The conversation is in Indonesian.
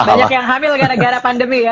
banyak yang hamil gara gara pandemi ya